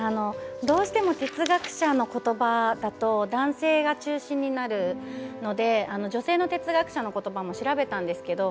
どうしても哲学者のことばだと男性が中心になるので女性の哲学者のことばも調べたんですけど